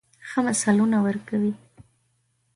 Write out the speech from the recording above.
ښه مثالونه ورکوي.